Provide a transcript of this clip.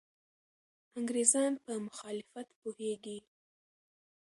انګریزان په مخالفت پوهېږي.